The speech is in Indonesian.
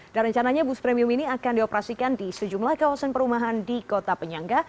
dan rencananya bus premium ini akan dioperasikan di sejumlah kawasan perumahan di kota penyangga